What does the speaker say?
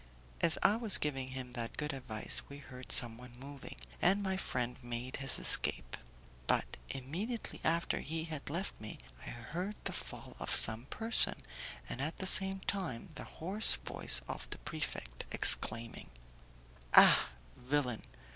As I was giving him that good advice we heard someone moving, and my friend made his escape; but immediately after he had left me I heard the fall of some person, and at the same time the hoarse voice of the prefect exclaiming: "Ah, villain!